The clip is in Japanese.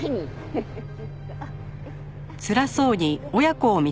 フフフ。